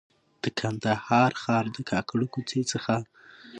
د کندهار ښار د کاکړو کوڅې څخه.